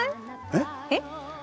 えっ？えっ？